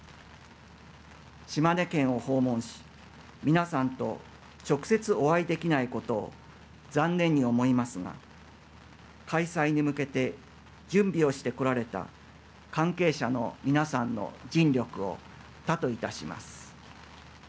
島根県を訪問し皆さんと直接お会いできないことを残念に思いますが開催に向けて準備をしてこられた関係者の皆さんの尽力を多といたします。